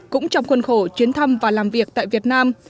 cũng trong khuôn khổ chuyến thăm và làm việc tại việt nam